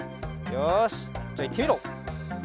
よしじゃあいってみろ。